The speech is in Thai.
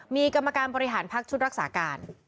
มีกรรมการบริหารพักชุดรักษาการ